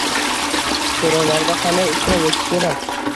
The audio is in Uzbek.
So'rovlarda qanday ishtirok etish kerak?